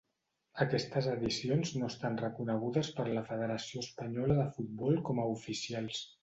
Aquestes edicions no estan reconegudes per la Federació Espanyola de Futbol com a oficials.